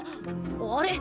あれ？